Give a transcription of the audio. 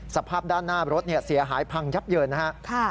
สภาพด้านหน้ารถเสียหายพังยับเยินนะครับ